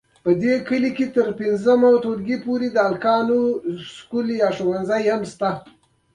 افریقا له داسې دولتونو بې برخې وه چې نظم ټینګ کړي وای.